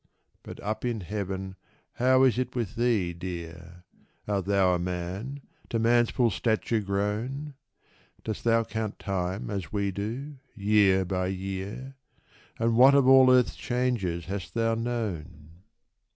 But — up in heaven — how is it with thee, dear ? Art thou a man — to man's full stature grown ? Dost thou count time as we do, year by year ? And what of all earth's changes hast thou known